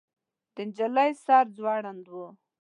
د نجلۍ سر ځوړند و.